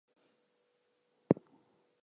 It is celebrated by all sections of the tribe.